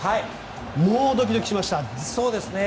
もう、ドキドキしました。